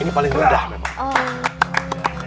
ini paling rendah memang